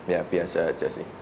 ya biasa aja sih